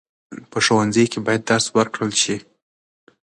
په ښوونځیو کې باید درس ورکړل شي.